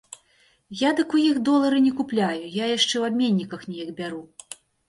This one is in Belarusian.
Я дык ў іх долары не купляю, я яшчэ ў абменніках неяк бяру.